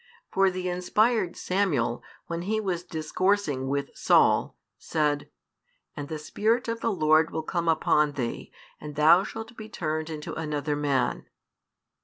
For the inspired Samuel, when he was discoursing with Saul, said: And the Spirit of the Lord will come upon thee, and thou shalt be turned into another man.